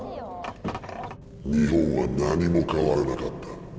日本は何も変わらなかった。